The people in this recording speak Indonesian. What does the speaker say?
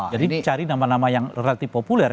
jadi cari nama nama yang relatif populer